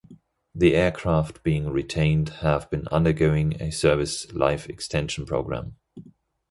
The aircraft being retained have been undergoing a service life extension programme.